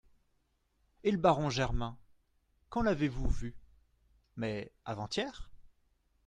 Et le baron Germain, quand l'avez-vous vu ? Mais ! avant-hier.